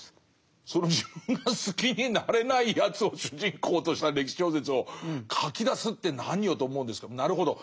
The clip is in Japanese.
その自分が好きになれないやつを主人公とした歴史小説を書きだすって何よと思うんですけどもなるほど。